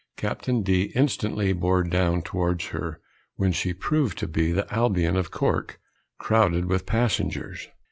Capt. D. instantly bore down towards her, when she proved to be the Albion, of Cork, crowded with passengers.